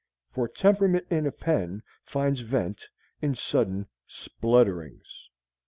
For temperament in a pen finds vent in sudden splutterings.